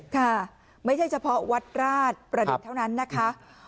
ค่ะไม่ใช่เฉพาะวัดราชประดิษฐ์เท่านั้นนะคะ